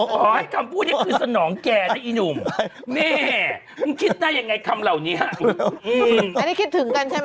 ขอให้คำพูดอย่างนี้คืนสนองแกนะอีหนุ่มแม่มึงคิดได้ยังไงคำเหล่านี้อ่ะอืม